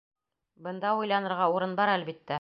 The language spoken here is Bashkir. Бында уйланырға урын бар, әлбиттә.